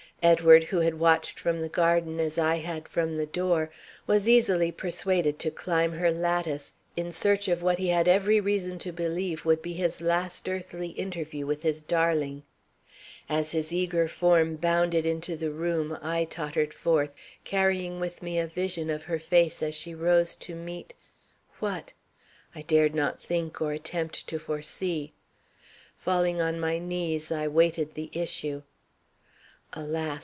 Edward, who had watched from the garden as I had from the door, was easily persuaded to climb her lattice in search of what he had every reason to believe would be his last earthly interview with his darling. As his eager form bounded into the room I tottered forth, carrying with me a vision of her face as she rose to meet what? I dared not think or attempt to foresee. Falling on my knees I waited the issue. Alas!